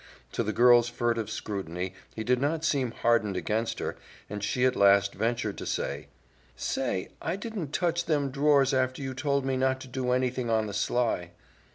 To the girl's furtive scrutiny he did not seem hardened against her, and she at last ventured, "Say, I didn't touch them drawers after you told me not to do anything on the sly."